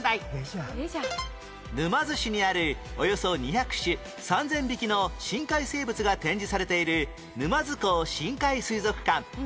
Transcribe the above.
沼津市にあるおよそ２００種・３０００匹の深海生物が展示されている沼津港深海水族館